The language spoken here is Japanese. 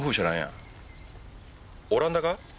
オランダか？